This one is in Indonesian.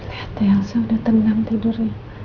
lihat ya saya sudah tengah tidur